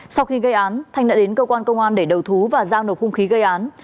sau khi gây án thanh đã đến cơ quan công an để đầu thú và giao nộp hung khí gây án